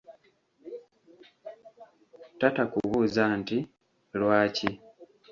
Tata kubuuza nti: Lwaki?